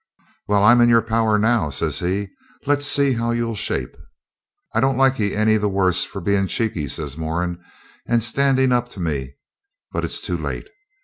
'Well, I'm in your power now,' says he. 'Let's see how you'll shape.' 'I don't like ye any the worse for being cheeky,' says Moran, 'and standing up to me, but it's too late.